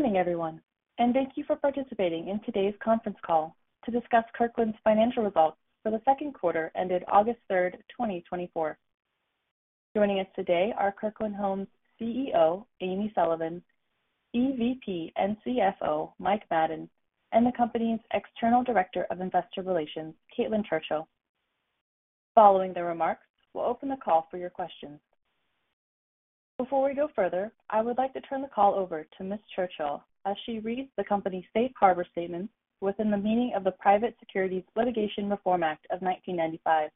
Good morning, everyone, and thank you for participating in today's conference call to discuss Kirkland's financial results for the Q2 ended August 3, 2024. Joining us today are Kirkland's CEO, Amy Sullivan, EVP and CFO, Mike Madden, and the company's External Director of Investor Relations, Caitlin Churchill. Following the remarks, we'll open the call for your questions. Before we go further, I would like to turn the call over to Ms. Churchill as she reads the company's Safe Harbor Statement within the meaning of the Private Securities Litigation Reform Act of 1995.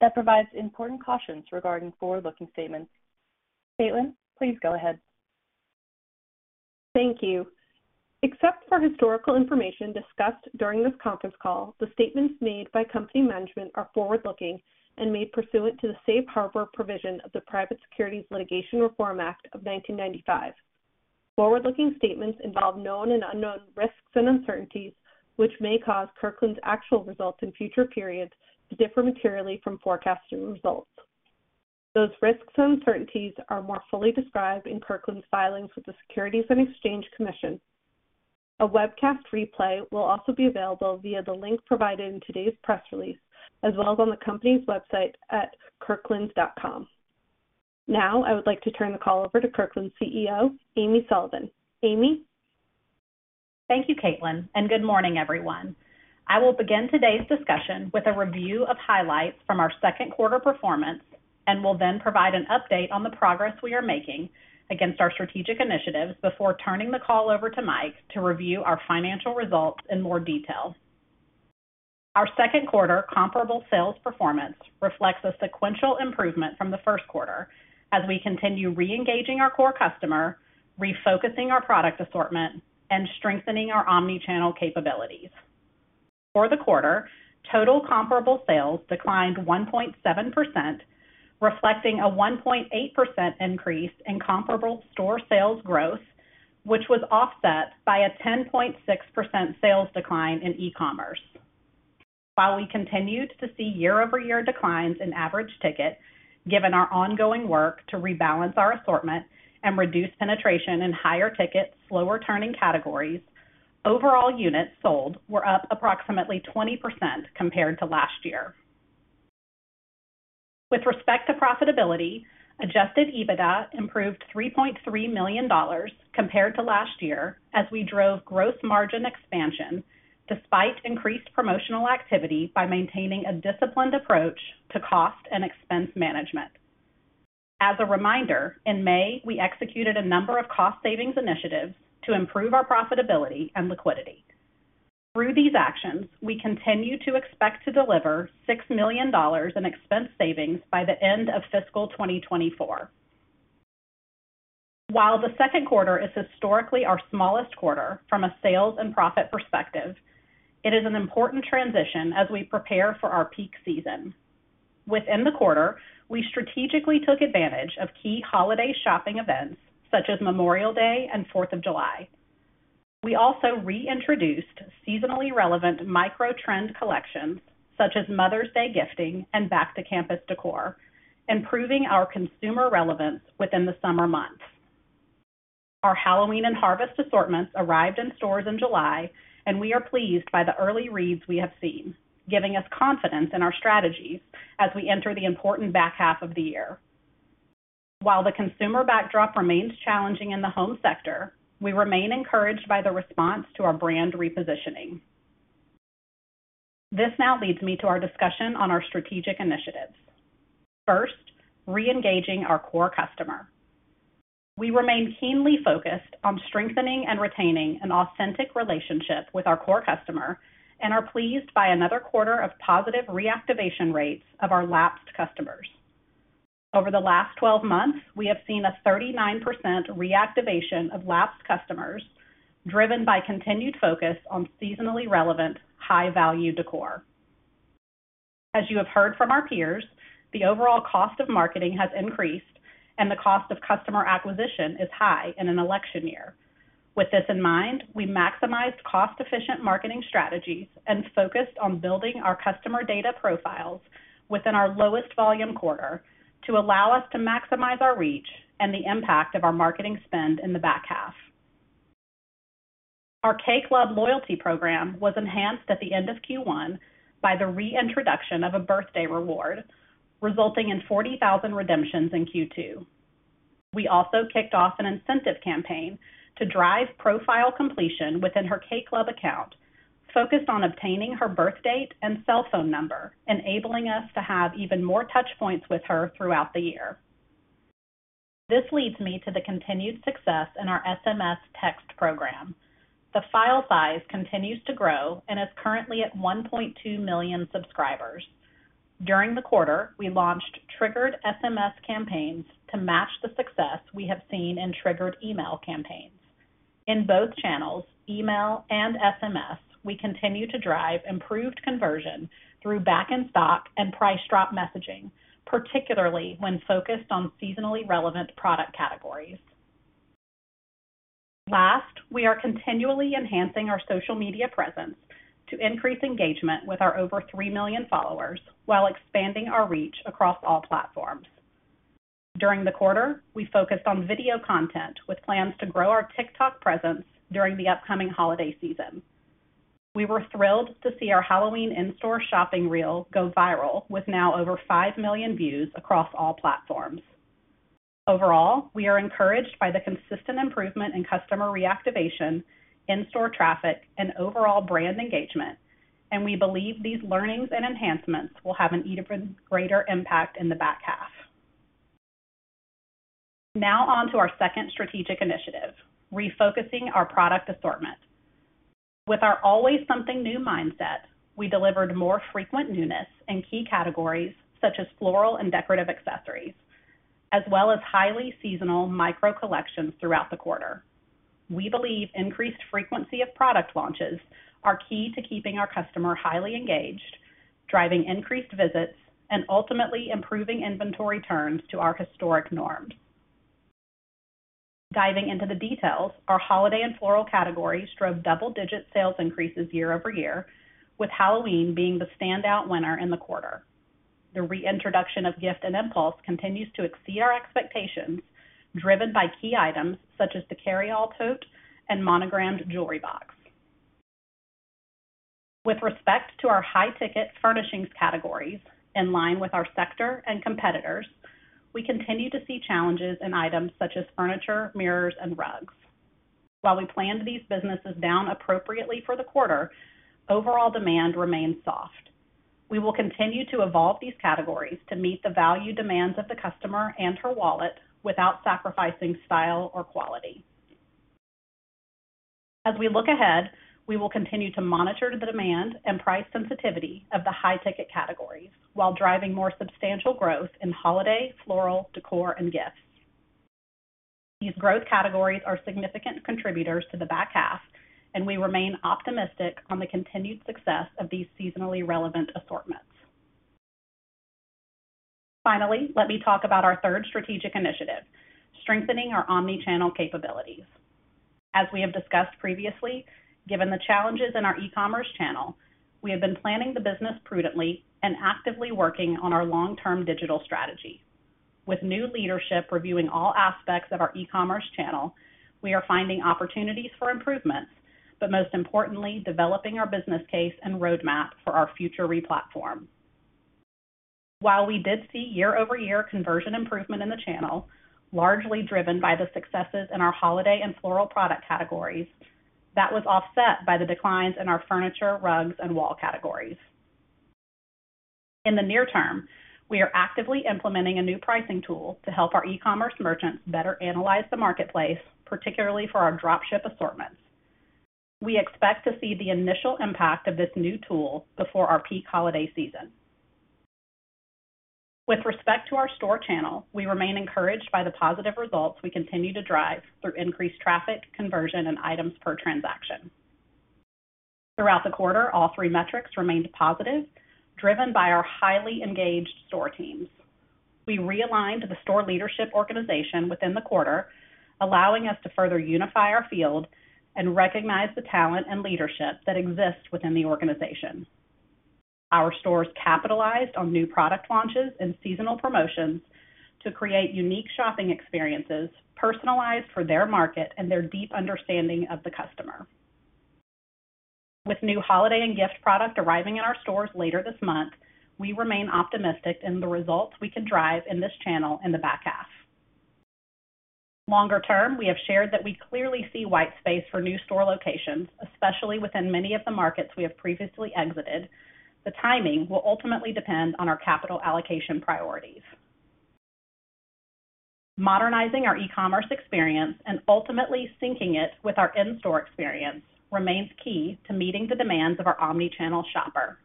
That provides important cautions regarding forward-looking statements. Caitlin, please go ahead. Thank you. Except for historical information discussed during this conference call, the statements made by company management are forward-looking and made pursuant to the safe harbor provision of the Private Securities Litigation Reform Act of 1995. Forward-looking statements involve known and unknown risks and uncertainties, which may cause Kirkland's actual results in future periods to differ materially from forecasted results. Those risks and uncertainties are more fully described in Kirkland's filings with the Securities and Exchange Commission. A webcast replay will also be available via the link provided in today's press release, as well as on the company's website at kirklands.com. Now, I would like to turn the call over to Kirkland's CEO, Amy Sullivan. Amy? Thank you, Caitlin, and good morning, everyone. I will begin today's discussion with a review of highlights from our Q2 performance, and will then provide an update on the progress we are making against our strategic initiatives before turning the call over to Mike to review our financial results in more detail. Our Q2 comparable sales performance reflects a sequential improvement from the Q1 as we continue reengaging our core customer, refocusing our product assortment, and strengthening our omni-channel capabilities. For the quarter, total comparable sales declined 1.7%, reflecting a 1.8% increase in comparable store sales growth, which was offset by a 10.6% sales decline in e-commerce. While we continued to see year-over-year declines in average ticket, given our ongoing work to rebalance our assortment and reduce penetration in higher ticket, slower turning categories, overall units sold were up approximately 20% compared to last year. With respect to profitability, Adjusted EBITDA improved $3.3 million compared to last year as we drove gross margin expansion, despite increased promotional activity by maintaining a disciplined approach to cost and expense management. As a reminder, in May, we executed a number of cost savings initiatives to improve our profitability and liquidity. Through these actions, we continue to expect to deliver $6 million in expense savings by the end of fiscal 2024. While the Q2 is historically our smallest quarter from a sales and profit perspective, it is an important transition as we prepare for our peak season. Within the quarter, we strategically took advantage of key holiday shopping events such as Memorial Day and Fourth of July. We also reintroduced seasonally relevant microtrend collections such as Mother's Day Gifting and Back to Campus décor, improving our consumer relevance within the summer months. Our Halloween and Harvest assortments arrived in stores in July, and we are pleased by the early reads we have seen, giving us confidence in our strategies as we enter the important back half of the year. While the consumer backdrop remains challenging in the home sector, we remain encouraged by the response to our brand repositioning. This now leads me to our discussion on our strategic initiatives. First, reengaging our core customer. We remain keenly focused on strengthening and retaining an authentic relationship with our core customer and are pleased by another quarter of positive reactivation rates of our lapsed customers. Over the last twelve months, we have seen a 39% reactivation of lapsed customers, driven by continued focus on seasonally relevant, high-value decor. As you have heard from our peers, the overall cost of marketing has increased, and the cost of customer acquisition is high in an election year. With this in mind, we maximized cost-efficient marketing strategies and focused on building our customer data profiles within our lowest volume quarter to allow us to maximize our reach and the impact of our marketing spend in the back half. Our K Club loyalty program was enhanced at the end of Q1 by the reintroduction of a birthday reward, resulting in 40,000 redemptions in Q2. We also kicked off an incentive campaign to drive profile completion within her K Club account, focused on obtaining her birth date and cell phone number, enabling us to have even more touch points with her throughout the year. This leads me to the continued success in our SMS text program. The file size continues to grow and is currently at 1.2 million subscribers. During the quarter, we launched triggered SMS campaigns to match the success we have seen in triggered email campaigns. In both channels, email and SMS, we continue to drive improved conversion through back in stock and price drop messaging, particularly when focused on seasonally relevant product categories. Last, we are continually enhancing our social media presence to increase engagement with our over three million followers while expanding our reach across all platforms. During the quarter, we focused on video content, with plans to grow our TikTok presence during the upcoming holiday season. We were thrilled to see our Halloween in-store shopping reel go viral, with now over five million views across all platforms. Overall, we are encouraged by the consistent improvement in customer reactivation, in-store traffic, and overall brand engagement, and we believe these learnings and enhancements will have an even greater impact in the back half. Now on to our second strategic initiative, refocusing our product assortment. With our Always Something New mindset, we delivered more frequent newness in key categories such as floral and decorative accessories, as well as highly seasonal micro collections throughout the quarter. We believe increased frequency of product launches are key to keeping our customer highly engaged, driving increased visits, and ultimately improving inventory turns to our historic norms. Diving into the details, our holiday and floral categories drove double-digit sales increases year over year, with Halloween being the standout winner in the quarter. The reintroduction of gift and impulse continues to exceed our expectations, driven by key items such as the Carryall Tote and Monogrammed Jewelry Box. With respect to our high-ticket furnishings categories, in line with our sector and competitors, we continue to see challenges in items such as furniture, mirrors, and rugs. While we planned these businesses down appropriately for the quarter, overall demand remains soft. We will continue to evolve these categories to meet the value demands of the customer and her wallet without sacrificing style or quality. As we look ahead, we will continue to monitor the demand and price sensitivity of the high-ticket categories while driving more substantial growth in holiday, floral, decor, and gifts. These growth categories are significant contributors to the back half, and we remain optimistic on the continued success of these seasonally relevant assortments. Finally, let me talk about our third strategic initiative, strengthening our omni-channel capabilities. As we have discussed previously, given the challenges in our e-commerce channel, we have been planning the business prudently and actively working on our long-term digital strategy. With new leadership reviewing all aspects of our e-commerce channel, we are finding opportunities for improvements, but most importantly, developing our business case and roadmap for our future replatform. While we did see year-over-year conversion improvement in the channel, largely driven by the successes in our holiday and floral product categories, that was offset by the declines in our furniture, rugs, and wall categories. In the near term, we are actively implementing a new pricing tool to help our e-commerce merchants better analyze the marketplace, particularly for our drop ship assortments. We expect to see the initial impact of this new tool before our peak holiday season. With respect to our store channel, we remain encouraged by the positive results we continue to drive through increased traffic, conversion, and items per transaction. Throughout the quarter, all three metrics remained positive, driven by our highly engaged store teams. We realigned the store leadership organization within the quarter, allowing us to further unify our field and recognize the talent and leadership that exists within the organization. Our stores capitalized on new product launches and seasonal promotions to create unique shopping experiences, personalized for their market and their deep understanding of the customer. With new holiday and gift product arriving in our stores later this month, we remain optimistic in the results we can drive in this channel in the back half. Longer term, we have shared that we clearly see white space for new store locations, especially within many of the markets we have previously exited. The timing will ultimately depend on our capital allocation priorities. Modernizing our e-commerce experience and ultimately syncing it with our in-store experience remains key to meeting the demands of our omni-channel shopper.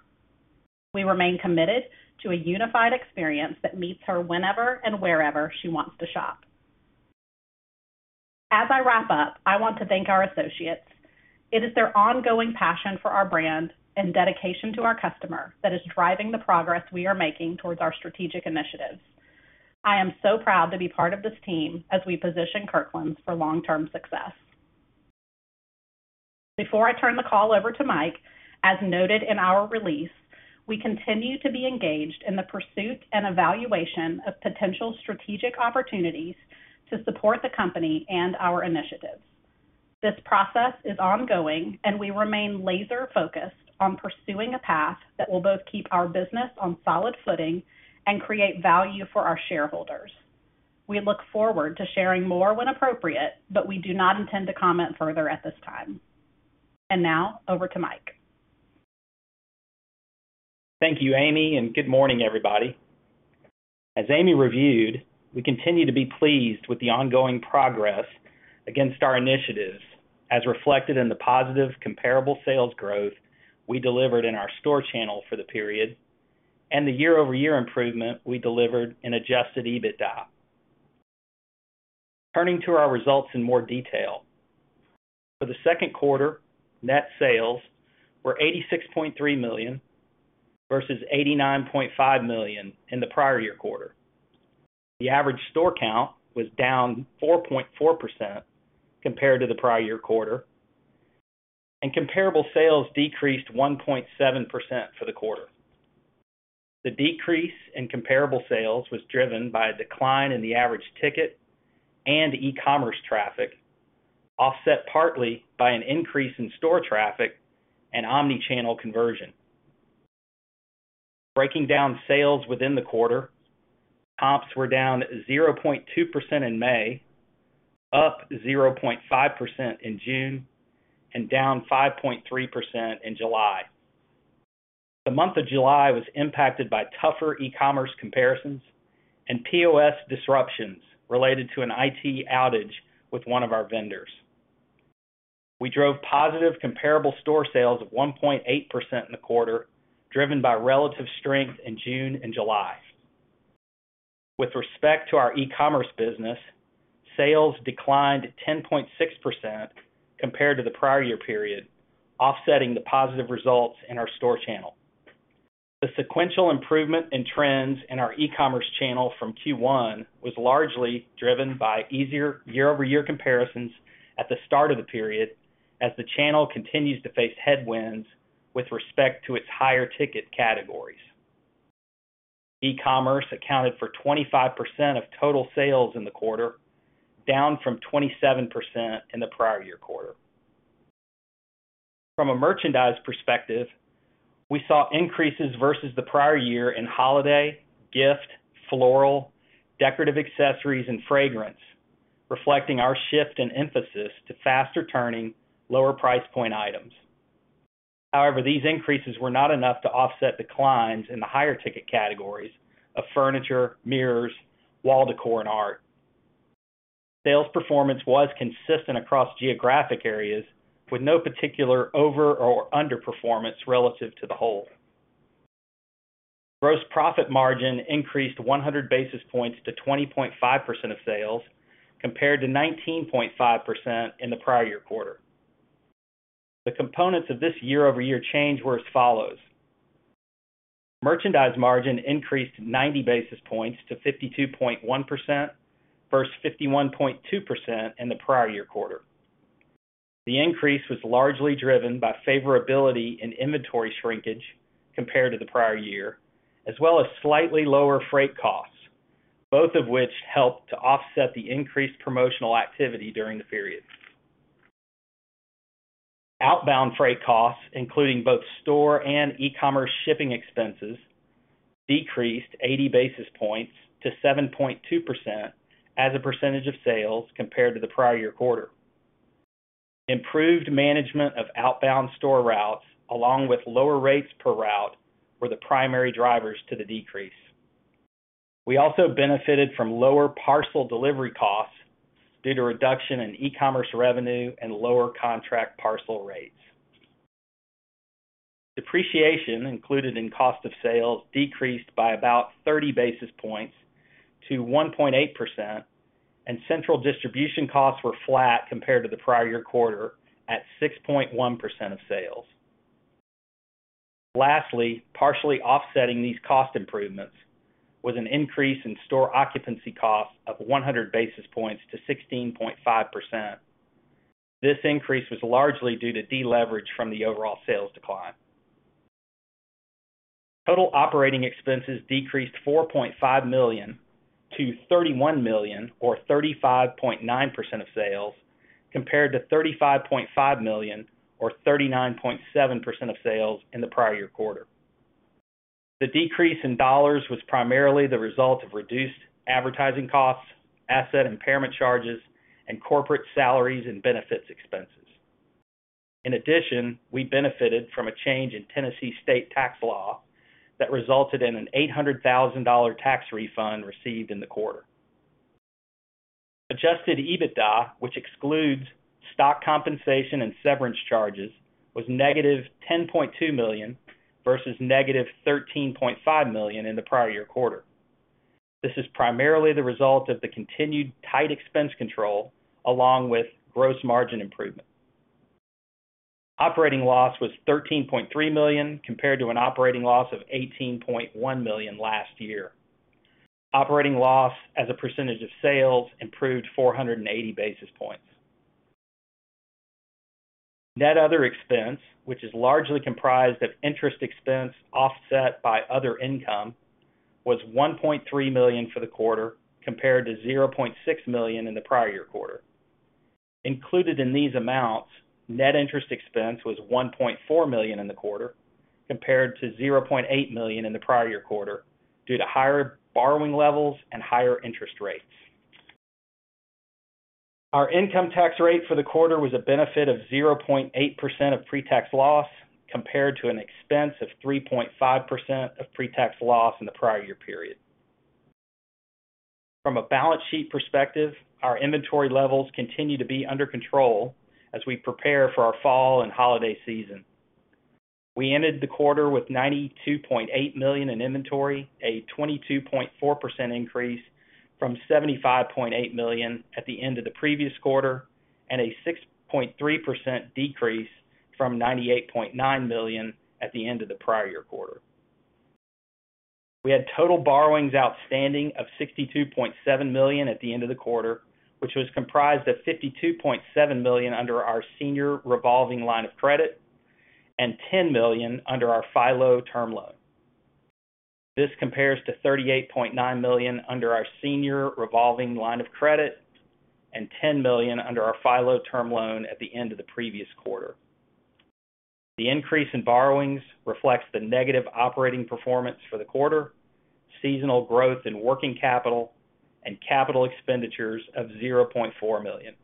We remain committed to a unified experience that meets her whenever and wherever she wants to shop. As I wrap up, I want to thank our associates. It is their ongoing passion for our brand and dedication to our customer that is driving the progress we are making towards our strategic initiatives. I am so proud to be part of this team as we position Kirkland's for long-term success. Before I turn the call over to Mike, as noted in our release, we continue to be engaged in the pursuit and evaluation of potential strategic opportunities to support the company and our initiatives. This process is ongoing, and we remain laser focused on pursuing a path that will both keep our business on solid footing and create value for our shareholders. We look forward to sharing more when appropriate, but we do not intend to comment further at this time. And now, over to Mike. Thank you, Amy, and good morning, everybody. As Amy reviewed, we continue to be pleased with the ongoing progress against our initiatives, as reflected in the positive comparable sales growth we delivered in our store channel for the period and the year-over-year improvement we delivered in Adjusted EBITDA. Turning to our results in more detail. For the second Q2, net sales were $86.3 million, versus $89.5 million in the prior year quarter. The average store count was down 4.4% compared to the prior year quarter, and comparable sales decreased 1.7% for the quarter. The decrease in comparable sales was driven by a decline in the average ticket and e-commerce traffic, offset partly by an increase in store traffic and omni-channel conversion. Breaking down sales within the quarter, comps were down 0.2% in May, up 0.5% in June, and down 5.3% in July. The month of July was impacted by tougher e-commerce comparisons and POS disruptions related to an IT outage with one of our vendors. We drove positive comparable store sales of 1.8% in the quarter, driven by relative strength in June and July. With respect to our e-commerce business, sales declined 10.6% compared to the prior year period, offsetting the positive results in our store channel. The sequential improvement in trends in our e-commerce channel from Q1 was largely driven by easier year-over-year comparisons at the start of the period, as the channel continues to face headwinds with respect to its higher ticket categories. E-commerce accounted for 25% of total sales in the quarter, down from 27% in the prior year quarter. From a merchandise perspective, we saw increases versus the prior year in holiday, gift, floral, decorative accessories, and fragrance, reflecting our shift in emphasis to faster turning, lower price point items. However, these increases were not enough to offset declines in the higher ticket categories of furniture, mirrors, wall decor, and art. Sales performance was consistent across geographic areas, with no particular over or underperformance relative to the whole. Gross profit margin increased 100 basis points to 20.5% of sales, compared to 19.5% in the prior year quarter. The components of this year-over-year change were as follows: Merchandise margin increased 90 basis points to 52.1%, versus 51.2% in the prior year quarter. The increase was largely driven by favorability in inventory shrinkage compared to the prior year, as well as slightly lower freight costs, both of which helped to offset the increased promotional activity during the period. Outbound freight costs, including both store and e-commerce shipping expenses, decreased eighty basis points to 7.2% as a percentage of sales compared to the prior year quarter. Improved management of outbound store routes, along with lower rates per route, were the primary drivers to the decrease. We also benefited from lower parcel delivery costs due to reduction in e-commerce revenue and lower contract parcel rates. Depreciation included in cost of sales decreased by about thirty basis points to 1.8%, and central distribution costs were flat compared to the prior year quarter at 6.1% of sales. Lastly, partially offsetting these cost improvements was an increase in store occupancy costs of 100 basis points to 16.5%. This increase was largely due to deleverage from the overall sales decline. Total operating expenses decreased $4.5 million to $31 million, or 35.9% of sales, compared to $35.5 million, or 39.7% of sales in the prior year quarter. The decrease in dollars was primarily the result of reduced advertising costs, asset impairment charges, and corporate salaries and benefits expenses. In addition, we benefited from a change in Tennessee state tax law that resulted in an $800,000 tax refund received in the quarter. Adjusted EBITDA, which excludes stock compensation and severance charges, was negative $10.2 million, versus negative $13.5 million in the prior year quarter. This is primarily the result of the continued tight expense control, along with gross margin improvement. Operating loss was $13.3 million, compared to an operating loss of $18.1 million last year. Operating loss as a percentage of sales improved 480 basis points. Net other expense, which is largely comprised of interest expense offset by other income, was $1.3 million for the quarter, compared to $0.6 million in the prior year quarter. Included in these amounts, net interest expense was $1.4 million in the quarter, compared to $0.8 million in the prior year quarter, due to higher borrowing levels and higher interest rates. Our income tax rate for the quarter was a benefit of 0.8% of pre-tax loss, compared to an expense of 3.5% of pre-tax loss in the prior year period. From a balance sheet perspective, our inventory levels continue to be under control as we prepare for our fall and holiday season. We ended the quarter with $92.8 million in inventory, a 22.4% increase from $75.8 million at the end of the previous quarter, and a 6.3% decrease from $98.9 million at the end of the prior year quarter. We had total borrowings outstanding of $62.7 million at the end of the quarter, which was comprised of $52.7 million under our Senior Revolving Line of Credit and $10 million under our FILO Term Loan. This compares to $38.9 million under our senior revolving line of credit and $10 million under our FILO term loan at the end of the previous quarter. The increase in borrowings reflects the negative operating performance for the quarter, seasonal growth in working capital, and capital expenditures of $0.4 million.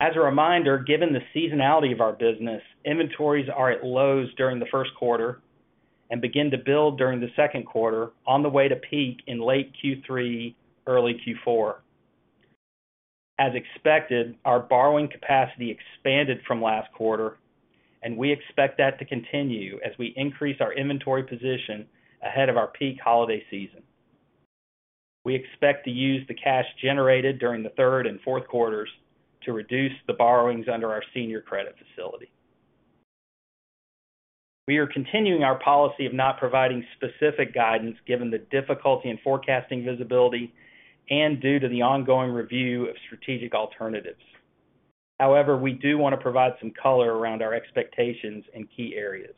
As a reminder, given the seasonality of our business, inventories are at lows during the Q1 and begin to build during the Q2 on the way to peak in late Q3, early Q4. As expected, our borrowing capacity expanded from last quarter, and we expect that to continue as we increase our inventory position ahead of our peak holiday season. We expect to use the cash generated during the third and fourth quarters to reduce the borrowings under our senior credit facility. We are continuing our policy of not providing specific guidance, given the difficulty in forecasting visibility and due to the ongoing review of strategic alternatives. However, we do want to provide some color around our expectations in key areas.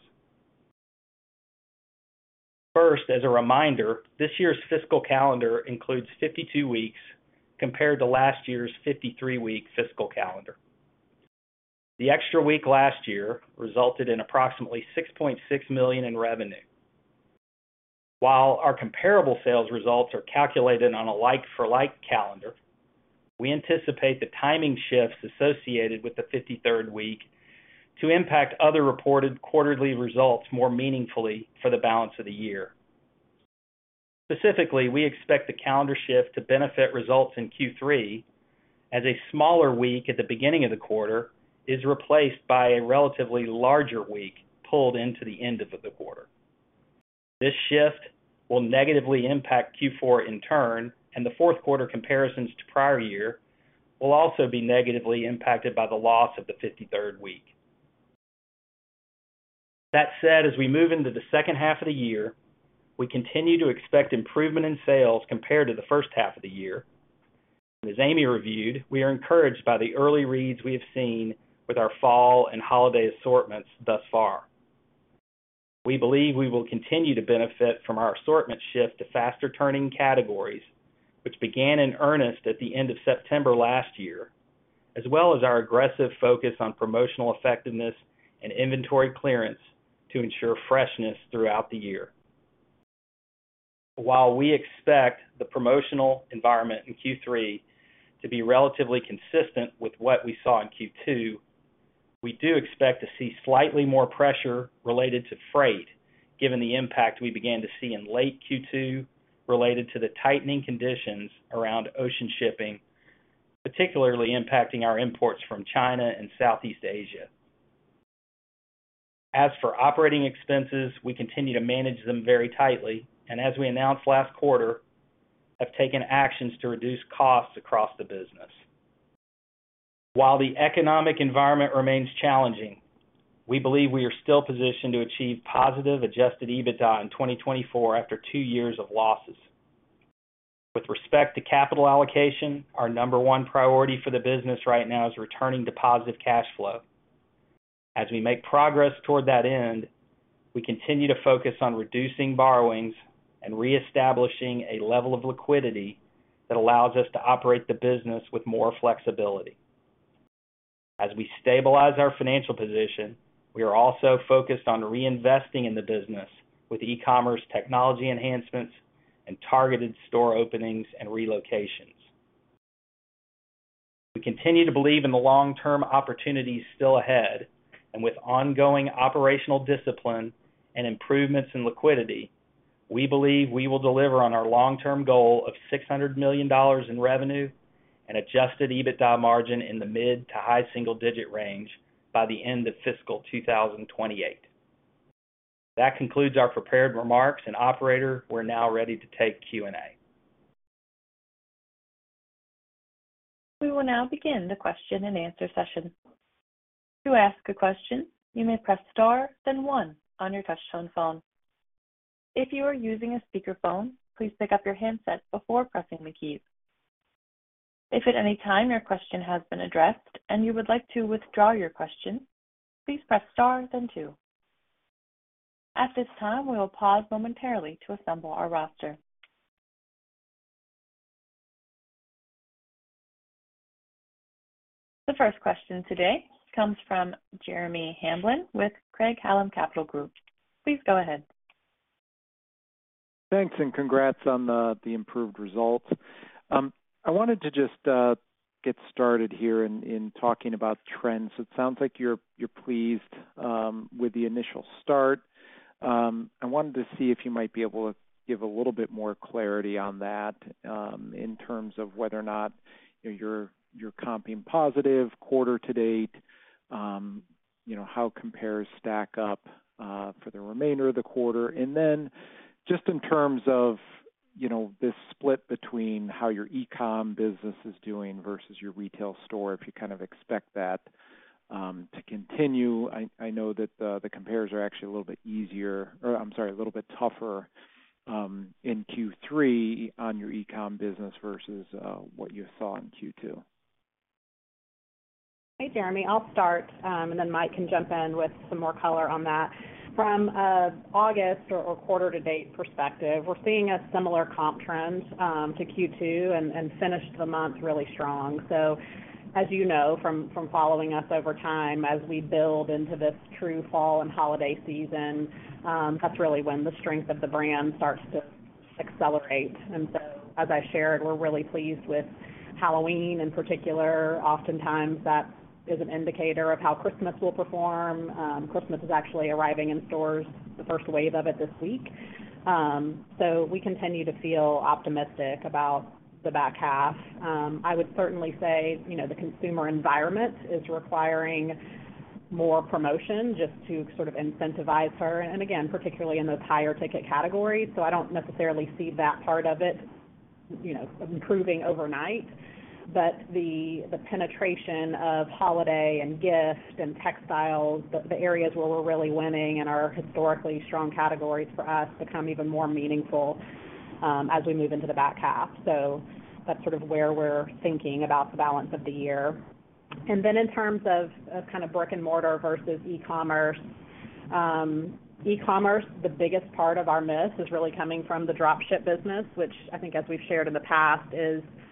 First, as a reminder, this year's fiscal calendar includes fifty-two weeks, compared to last year's fifty-three week fiscal calendar. The extra week last year resulted in approximately $6.6 million in revenue. While our comparable sales results are calculated on a like-for-like calendar, we anticipate the timing shifts associated with the fifty-third week to impact other reported quarterly results more meaningfully for the balance of the year. Specifically, we expect the calendar shift to benefit results in Q3 as a smaller week at the beginning of the quarter is replaced by a relatively larger week pulled into the end of the quarter. This shift will negatively impact Q4 in turn, and the Q4 comparisons to prior year will also be negatively impacted by the loss of the fifty-third week. That said, as we move into the second half of the year, we continue to expect improvement in sales compared to the first half of the year. As Amy reviewed, we are encouraged by the early reads we have seen with our fall and holiday assortments thus far. We believe we will continue to benefit from our assortment shift to faster turning categories, which began in earnest at the end of September last year, as well as our aggressive focus on promotional effectiveness and inventory clearance to ensure freshness throughout the year. While we expect the promotional environment in Q3 to be relatively consistent with what we saw in Q2, we do expect to see slightly more pressure related to freight, given the impact we began to see in late Q2 related to the tightening conditions around ocean shipping, particularly impacting our imports from China and Southeast Asia. As for operating expenses, we continue to manage them very tightly and as we announced last quarter, have taken actions to reduce costs across the business. While the economic environment remains challenging, we believe we are still positioned to achieve positive Adjusted EBITDA in twenty twenty-four after two years of losses. With respect to capital allocation, our number one priority for the business right now is returning to positive cash flow. As we make progress toward that end, we continue to focus on reducing borrowings and reestablishing a level of liquidity that allows us to operate the business with more flexibility. As we stabilize our financial position, we are also focused on reinvesting in the business with e-commerce technology enhancements and targeted store openings and relocations. We continue to believe in the long-term opportunities still ahead and with ongoing operational discipline and improvements in liquidity, we believe we will deliver on our long-term goal of $600 million in revenue and Adjusted EBITDA margin in the mid- to high-single-digit range by the end of fiscal 2028. That concludes our prepared remarks, and operator, we're now ready to take Q&A. We will now begin the question and answer session. To ask a question, you may press star, then one on your touchtone phone. If you are using a speakerphone, please pick up your handset before pressing the key. If at any time your question has been addressed and you would like to withdraw your question, please press star then two. At this time, we will pause momentarily to assemble our roster. The first question today comes from Jeremy Hamblin with Craig-Hallum Capital Group. Please go ahead. Thanks, and congrats on the improved results. I wanted to just get started here in talking about trends. It sounds like you're pleased with the initial start. I wanted to see if you might be able to give a little bit more clarity on that, in terms of whether or not, you know, you're comping positive quarter to date, you know, how comps stack up for the remainder of the quarter. And then just in terms of you know, this split between how your e-com business is doing versus your retail store, if you kind of expect that to continue. I know that the comps are actually a little bit easier, or I'm sorry, a little bit tougher, in Q3 on your e-com business versus what you saw in Q2. Hey, Jeremy, I'll start, and then Mike can jump in with some more color on that. From August or quarter to date perspective, we're seeing a similar comp trends to Q2 and finished the month really strong. So as you know, from following us over time, as we build into this true fall and holiday season, that's really when the strength of the brand starts to accelerate. And so, as I shared, we're really pleased with Halloween in particular. Oftentimes, that is an indicator of how Christmas will perform. Christmas is actually arriving in stores, the first wave of it this week. So we continue to feel optimistic about the back half. I would certainly say, you know, the consumer environment is requiring more promotion just to sort of incentivize her, and again, particularly in those higher ticket categories. So I don't necessarily see that part of it, you know, improving overnight. But the penetration of holiday and gift and textiles, the areas where we're really winning and are historically strong categories for us, become even more meaningful, as we move into the back half. So that's sort of where we're thinking about the balance of the year. And then in terms of kind of brick-and-mortar versus e-commerce, e-commerce, the biggest part of our miss is really coming from the drop ship business, which I think, as we've shared in the past,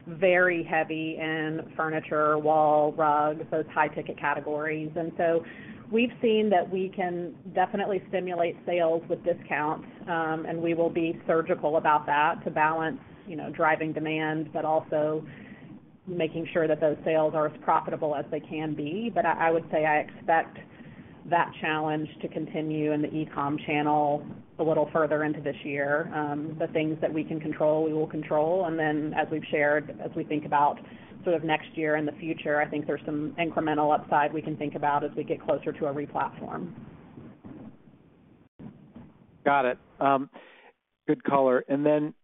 is very heavy in furniture, wall, rug, those high-ticket categories. And so we've seen that we can definitely stimulate sales with discounts, and we will be surgical about that to balance, you know, driving demand, but also making sure that those sales are as profitable as they can be. But I would say I expect that challenge to continue in the e-com channel a little further into this year. The things that we can control, we will control. And then, as we've shared, as we think about sort of next year and the future, I think there's some incremental upside we can think about as we get closer to a replatform. Got it. Good color. And then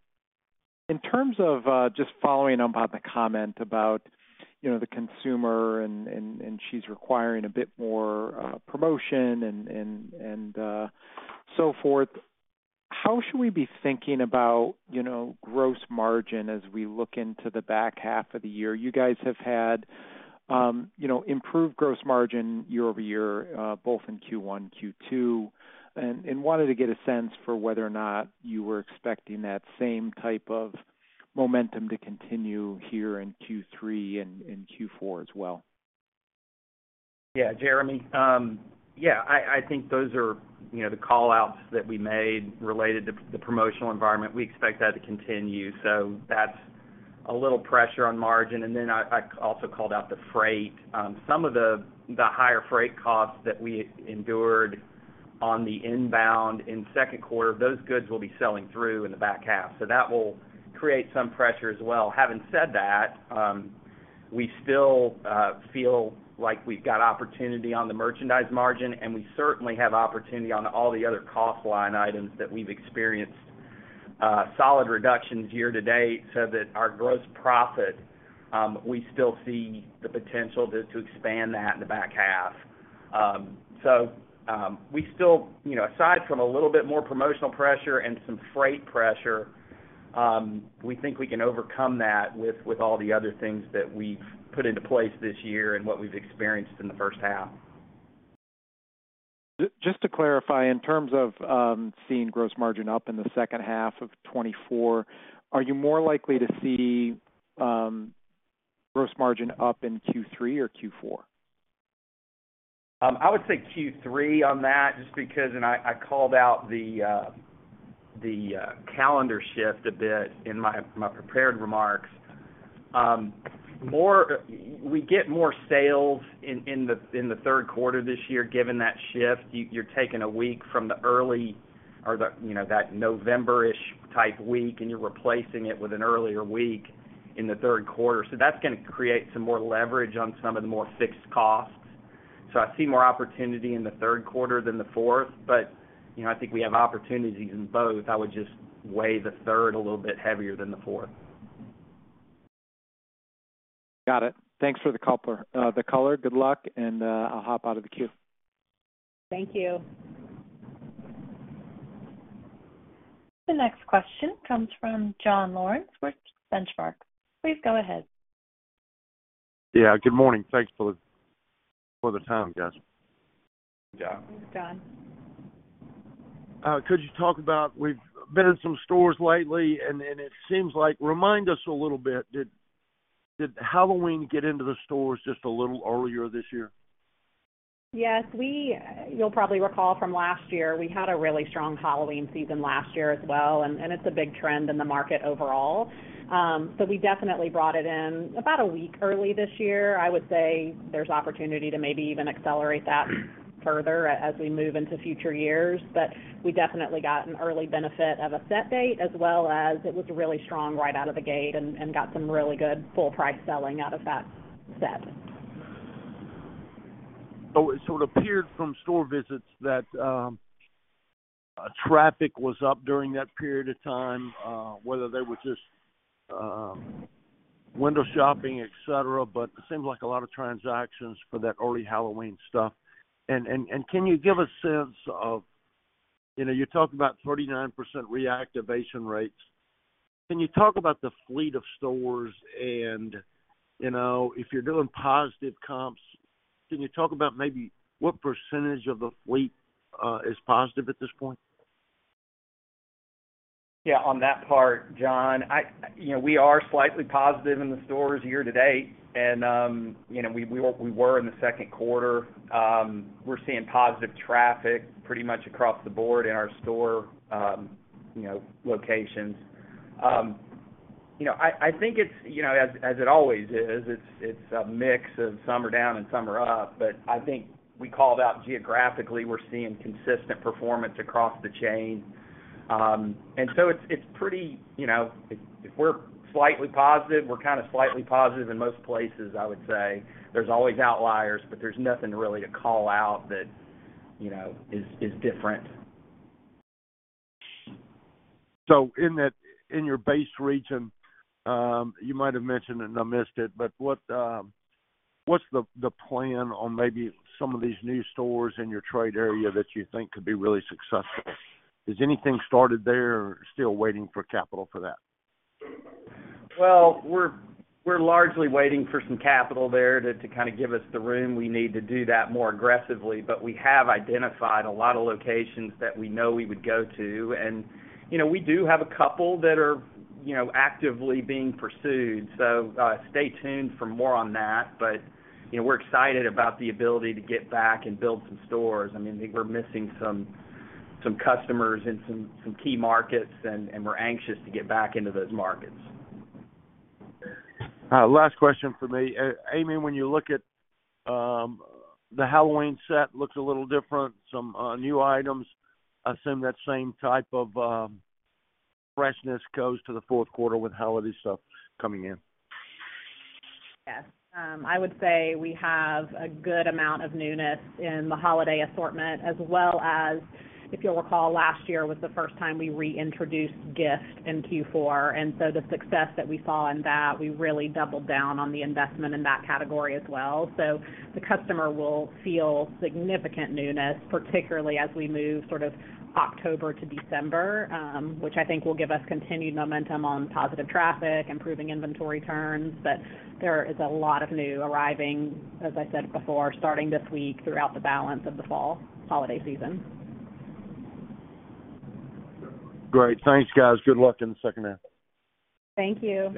in terms of, just following up on the comment about, you know, the consumer, and she's requiring a bit more, promotion and so forth, how should we be thinking about, you know, gross margin as we look into the back half of the year? You guys have had, you know, improved gross margin year over year, both in Q1, Q2, and wanted to get a sense for whether or not you were expecting that same type of momentum to continue here in Q3 and Q4 as well. Yeah, Jeremy. Yeah, I think those are, you know, the call-outs that we made related to the promotional environment. We expect that to continue, so that's a little pressure on margin. And then I also called out the freight. Some of the higher freight costs that we endured on the inbound in Q2, those goods will be selling through in the back half, so that will create some pressure as well. Having said that, we still feel like we've got opportunity on the merchandise margin, and we certainly have opportunity on all the other cost line items that we've experienced solid reductions year to date, so that our gross profit, we still see the potential to expand that in the back half. So, we still, you know, aside from a little bit more promotional pressure and some freight pressure, we think we can overcome that with all the other things that we've put into place this year and what we've experienced in the first half. Just to clarify, in terms of seeing gross margin up in the second half of 2024, are you more likely to see gross margin up in Q3 or Q4? I would say Q3 on that, just because, and I called out the calendar shift a bit in my prepared remarks. We get more sales in the Q3 this year, given that shift. You're taking a week from the early or the, you know, that November-ish type week, and you're replacing it with an earlier week in the Q3. So that's gonna create some more leverage on some of the more fixed costs. So I see more opportunity in the third quarter than the fourth, but, you know, I think we have opportunities in both. I would just weigh the third a little bit heavier than the fourth. Got it. Thanks for the color. Good luck, and I'll hop out of the queue. Thank you. The next question comes from Jon Lawrence with Benchmark. Please go ahead. Yeah, good morning. Thanks for the time, guys. Jon. Jon. Could you talk about? We've been in some stores lately, and it seems like. Remind us a little bit. Did Halloween get into the stores just a little earlier this year? Yes. You'll probably recall from last year, we had a really strong Halloween season last year as well, and it's a big trend in the market overall. So we definitely brought it in about a week early this year. I would say there's opportunity to maybe even accelerate that further as we move into future years, but we definitely got an early benefit of a set date, as well as it was really strong right out of the gate and got some really good full price selling out of that set.... So it appeared from store visits that traffic was up during that period of time, whether they were just window shopping, et cetera, but it seems like a lot of transactions for that early Halloween stuff. And can you give a sense of, you know, you talked about 39% reactivation rates. Can you talk about the fleet of stores and, you know, if you're doing positive comps, can you talk about maybe what percentage of the fleet is positive at this point? Yeah, on that part, Jon, I-- you know, we are slightly positive in the stores year-to-date, and, you know, we were in the Q2. We're seeing positive traffic pretty much across the board in our store, you know, locations. You know, I think it's, you know, as it always is, it's a mix of some are down and some are up. But I think we called out geographically, we're seeing consistent performance across the chain. And so it's pretty, you know, if we're slightly positive, we're kind of slightly positive in most places, I would say. There's always outliers, but there's nothing really to call out that, you know, is different. So in that, in your base region, you might have mentioned it and I missed it, but what's the plan on maybe some of these new stores in your trade area that you think could be really successful? Has anything started there or still waiting for capital for that? We're largely waiting for some capital there to kind of give us the room we need to do that more aggressively. We have identified a lot of locations that we know we would go to. You know, we do have a couple that are, you know, actively being pursued, so stay tuned for more on that. You know, we're excited about the ability to get back and build some stores. I mean, we're missing some customers in some key markets, and we're anxious to get back into those markets. Last question for me. Amy, when you look at the Halloween set, looks a little different, some new items. I assume that same type of freshness goes to the Q4 with holiday stuff coming in. Yes. I would say we have a good amount of newness in the holiday assortment, as well as, if you'll recall, last year was the first time we reintroduced gift in Q4, and so the success that we saw in that, we really doubled down on the investment in that category as well. So the customer will feel significant newness, particularly as we move sort of October to December, which I think will give us continued momentum on positive traffic, improving inventory turns. But there is a lot of new arriving, as I said before, starting this week throughout the balance of the fall holiday season. Great. Thanks, guys. Good luck in the second half. Thank you.